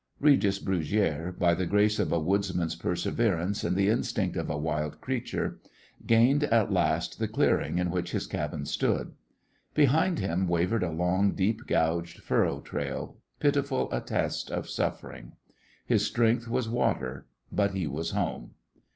Regis Brugiere, by the grace of a woodsman's perseverance and the instinct of a wild creature, gained at last the clearing in which his cabin stood. Behind him wavered a long, deep gouged furrow trail, pitiful attest of suffering. His strength was water, but he was home.